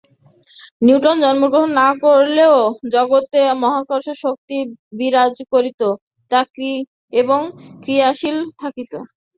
Newton জন্মগ্রহণ না করিলেও জগতে মাধ্যাকর্ষণ শক্তি বিরাজ করিত এবং ক্রিয়াশীল থাকিত।